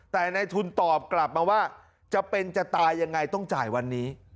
แต่ในทุนตอบกลับมาว่าจะเป็นจะตายยังไงต้องจ่ายวันนี้